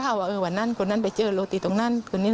แล้วก็ยัดลงถังสีฟ้าขนาด๒๐๐ลิตร